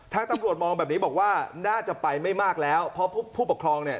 ทางตำรวจมองแบบนี้บอกว่าน่าจะไปไม่มากแล้วเพราะผู้ปกครองเนี่ย